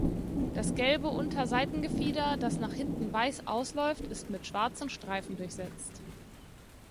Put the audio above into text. Das gelbe Unterseitengefieder, das nach hinten weiß ausläuft, ist mit schwarzen Streifen durchsetzt.